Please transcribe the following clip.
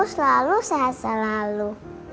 selalu sehat selalu